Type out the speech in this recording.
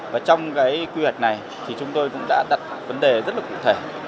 và trong cái quy hoạch này thì chúng tôi cũng đã đặt vấn đề rất là cụ thể